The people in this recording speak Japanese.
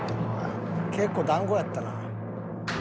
結構だんごやったな。